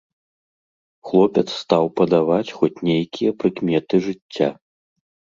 Хлопец стаў падаваць хоць нейкія прыкметы жыцця.